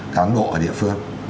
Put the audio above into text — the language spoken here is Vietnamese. cán bộ ở địa phương